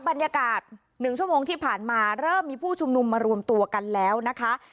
บรรยากาศ๑ชั่วโมงที่ผ่านมาเริ่มมีผู้ชุมนุมมารวมตัวกันแล้วนะคะ